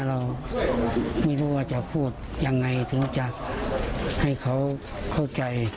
เราไม่รู้ว่าจะพูดยังไงถึงจะให้เขาเข้าใจ